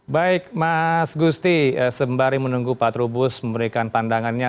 baik mas gusti sembari menunggu pak trubus memberikan pandangannya